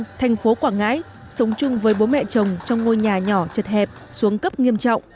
lê thị trang thành phố quảng ngãi sống chung với bố mẹ chồng trong ngôi nhà nhỏ chật hẹp xuống cấp nghiêm trọng